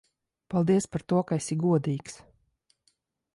Paldies par to, ka esi godīgs.